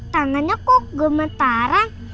tangan aku gemetaran